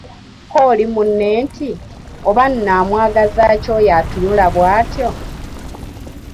Kko oli munne nti, Oba nno amwagaza ki oyo atunula bw’atyo?